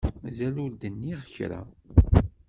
Mazal ur d-nniɣ kra.